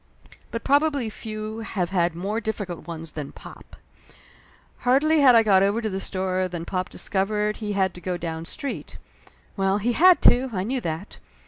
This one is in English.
But probably few have had more difficult ones than pop. Hardly had I 44 Laughter Limited got over to the store than pop discovered he had to go down street. Well, he had to, I knew that.